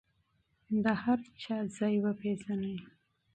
د هر چا مقام وپیژنئ.